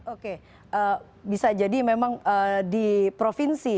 oke bisa jadi memang di provinsi